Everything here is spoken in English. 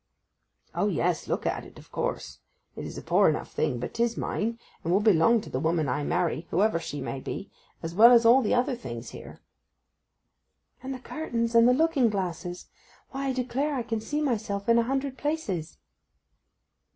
'O yes; look at it, of course. It is a poor enough thing, but 'tis mine; and it will belong to the woman I marry, whoever she may be, as well as all the other things here.' 'And the curtains and the looking glasses: why I declare I can see myself in a hundred places.